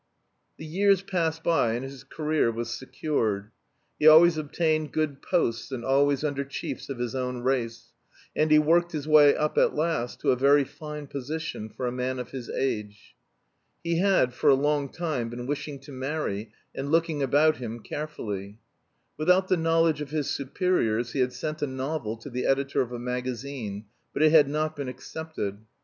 The years passed by and his career was secured. He always obtained good posts and always under chiefs of his own race; and he worked his way up at last to a very fine position for a man of his age. He had, for a long time, been wishing to marry and looking about him carefully. Without the knowledge of his superiors he had sent a novel to the editor of a magazine, but it had not been accepted.